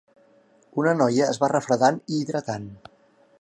Una noia es va refredant i hidratant.